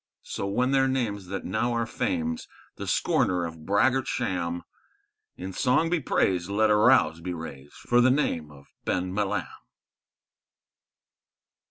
So when their names that now are Fame's the scorner of braggart sham; In song be praised, let a rouse be raised for the name of Ben Milam!